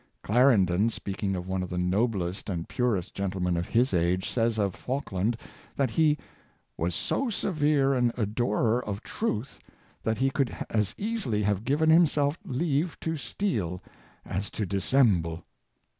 Clarendon, speaking of one of the noblest and purest gentlemen of his age, says of Falkland, that he " was so severe an adorer of truth, that he could as easily have given himself leave to steal as to dissemble.''